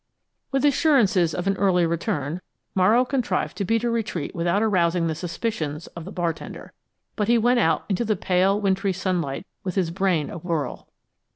With assurances of an early return, Morrow contrived to beat a retreat without arousing the suspicions of the bartender, but he went out into the pale, wintry, sunlight with his brain awhirl.